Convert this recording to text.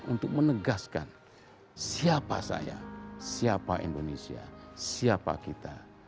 untuk menegaskan siapa saya siapa indonesia siapa kita